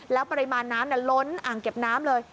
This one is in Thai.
แล้วปริมาณน้ำล้นอ่างเก็บน้ำเลย